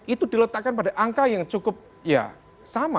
itu diletakkan pada angka yang cukup sama